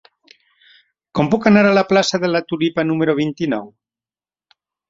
Com puc anar a la plaça de la Tulipa número vint-i-nou?